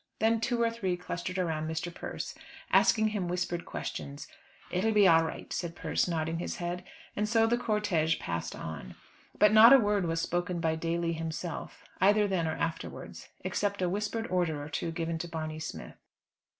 Then two or three clustered round Mr. Persse, asking him whispered questions. "It'll be all right," said Persse, nodding his head; and so the cortège passed on. But not a word was spoken by Daly himself, either then or afterwards, except a whispered order or two given to Barney Smith.